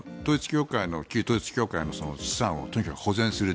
旧統一教会の資産をとにかく保全する。